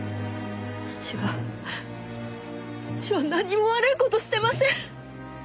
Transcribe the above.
父は父は何も悪い事してません！